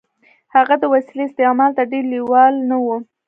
هغه د وسيلې استعمال ته ډېر لېوال نه و.